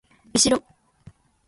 うしろ！